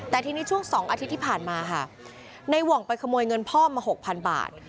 แต่ทีนี้ช่วง๒อาทิตย์ที่ผ่านมาค่ะในหว่องไปขโมยเงินพ่อมาหกพันบาท